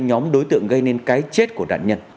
nhóm đối tượng gây nên cái chết của nạn nhân